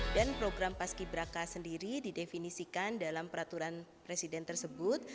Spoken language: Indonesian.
dan program paskiberaka sendiri didefinisikan dalam peraturan presiden tersebut